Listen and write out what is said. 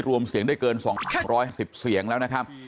รวมเสียงได้เกิน๒๑๐เสียงแล้วนะครับ